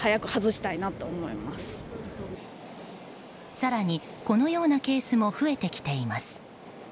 更に、このようなケースも増えてきています。